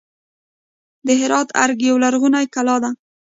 د هرات ارګ یوه لرغونې کلا ده